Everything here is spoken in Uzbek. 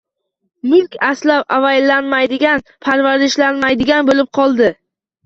mulk asrab avaylanmaydigan, parvarishlanmaydigan bo‘lib qoldi.